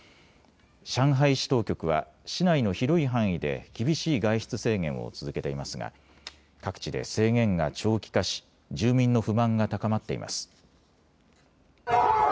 上海市当局は市内の広い範囲で厳しい外出制限を続けていますが各地で制限が長期化し住民の不満が高まっています。